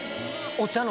お茶の。